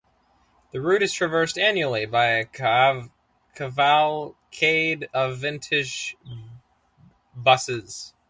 The route is traversed annually by a cavalcade of vintage buses.